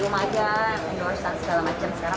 sekarang sudah bisa